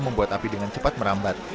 membuat api dengan cepat merambat